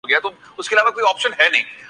آپ کے مشورے کا بہت شکر یہ